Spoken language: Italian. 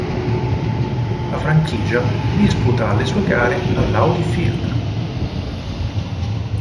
La franchigia disputa le sue gare all'Audi Field.